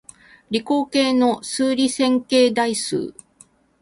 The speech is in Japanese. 理工系の数理線形代数